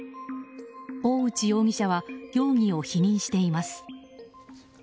大内容疑者は容疑を否認しています。